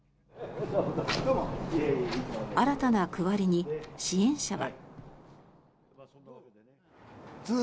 新たな区割りに支援者は。